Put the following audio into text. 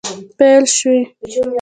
پیل شوي